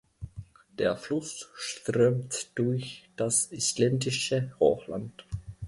Der Fluss strömt durch das Isländische Hochland.